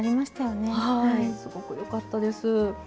すごくよかったです。